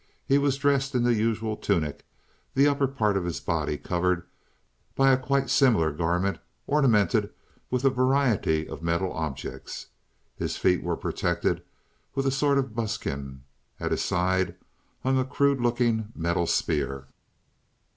He was dressed in the usual tunic, the upper part of his body covered by a quite similar garment, ornamented with a variety of metal objects. His feet were protected with a sort of buskin; at his side hung a crude looking metal spear.